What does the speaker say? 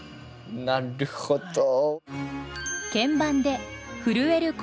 なるほど。